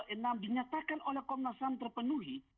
penyelesaian kasus ham yang oleh komnas ham terpenuhi